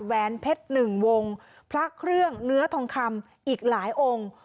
แหวนเพชรหนึ่งวงพระเครื่องเนื้อทองคำอีกหลายองค์